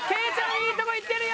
いいとこいってるよ！